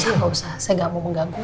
saya nggak usah saya gak mau mengganggu